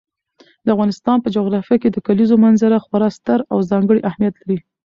د افغانستان په جغرافیه کې د کلیزو منظره خورا ستر او ځانګړی اهمیت لري.